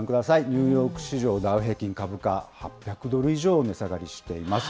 ニューヨーク市場ダウ平均株価、８００ドル以上値下がりしています。